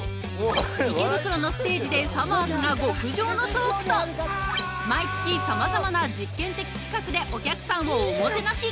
池袋のステージでさまぁずが極上のトークと毎月さまざまな実験的企画でお客さんをおもてなし。